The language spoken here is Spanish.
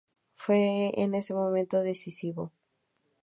Fue en ese momento decisivo.